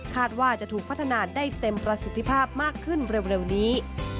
ว่าจะถูกพัฒนาได้เต็มประสิทธิภาพมากขึ้นเร็วนี้